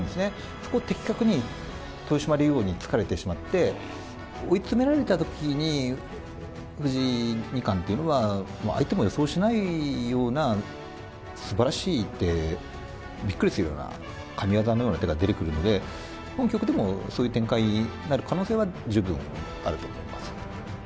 そこを的確に豊島竜王に突かれてしまって、追い詰められたときに、藤井二冠っていうのは、相手も予想しないような、すばらしい一手、びっくりするような神業のような手が出てくるので、今局でもそういう展開になる可能性は十分あると思います。